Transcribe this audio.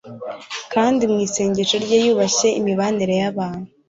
kandi mu isengesho rye yubashye imibanire y’abantu